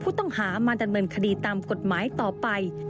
ผู้ต้องหามาดำเนินคดีตามกฎหมายต่อไป